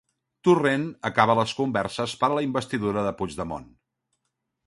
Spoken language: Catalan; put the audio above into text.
Torrent acaba les converses per a la investidura de Puigdemont.